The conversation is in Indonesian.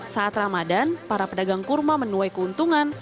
saat ramadan para pedagang kurma menuai keuntungan